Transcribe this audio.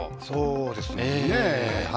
そうですね。